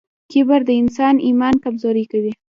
کبر د انسان ایمان کمزوری کوي.